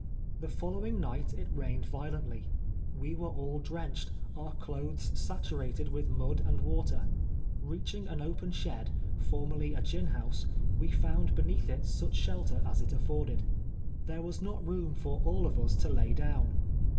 The following night it rained violently. "We were all drenched, our clothes saturated with mud and wa ter. Reaching an open shed, formerly a gin house, we found beneath it such shelter as it afforded. There was not room for all of us to lay down.